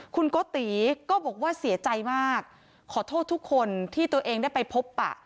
คุณโกติก็บอกว่าเสียใจมากขอโทษทุกคนที่ตัวเองได้ไปพบปะ